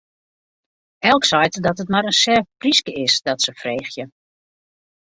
Elk seit dat it mar in sêft pryske is, dat se freegje.